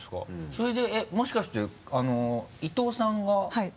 それでえっもしかして伊藤さんがはい。